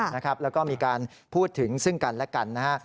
แล้วก็มีการพูดถึงซึ่งกันและกันนะฮะ